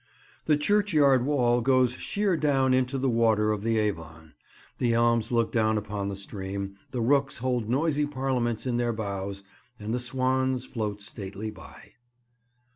The churchyard wall goes sheer down into the water of the Avon. The elms look down upon the stream, the rooks hold noisy parliaments in their boughs, and the swans float stately by.